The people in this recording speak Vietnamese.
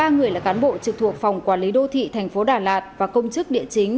ba người là cán bộ trực thuộc phòng quản lý đô thị thành phố đà lạt và công chức địa chính